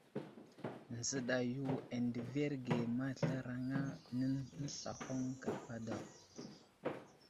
Nzəɗa yo andəverge mazlaraŋa, nəslahoŋ gapa daw.